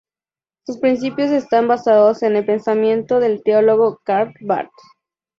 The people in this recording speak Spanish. Sus principios están basados en el pensamiento del teólogo Karl Barth.